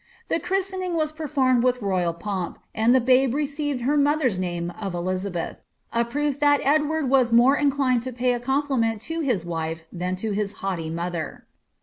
The christening was performed with royal pomp, and the i>abe ived her mother's name of Elizabeth, — a proof that Edward was e inclined to pay a compliment to his wife than to Ilia haughty her.